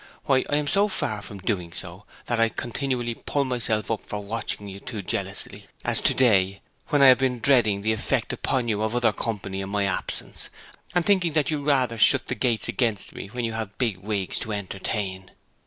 Why, I am so far from doing so that I continually pull myself up for watching you too jealously, as to day, when I have been dreading the effect upon you of other company in my absence, and thinking that you rather shut the gates against me when you have big wigs to entertain.'